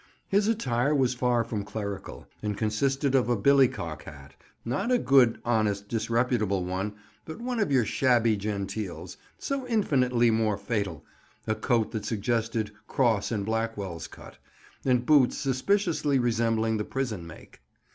His attire was far from clerical, and consisted of a billycock hat—not a good, honest, disreputable one, but one of your shabby genteels, so infinitely more fatal—a coat that suggested Crosse and Blackwell's cut, and boots suspiciously resembling the prison make.